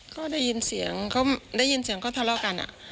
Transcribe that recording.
ก็ได้ยินเสียงทะเลาะกัน